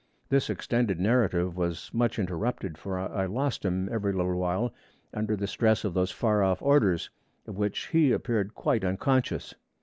This extended narrative was much interrupted, for I lost him every little while under the stress of those far off orders, of which he appeared quite unconscious.